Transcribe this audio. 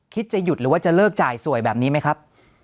จะหยุดหรือว่าจะเลิกจ่ายสวยแบบนี้ไหมครับ